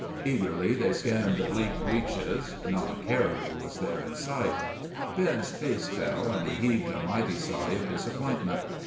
Eagerly they scanned the bleak reaches. Not a caribou was there in sight. Ben's face fell, and he heaved a mighty sigh of disappointment.